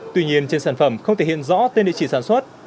tuy nhiên trên sản phẩm không thể hiện rõ tên địa chỉ sản xuất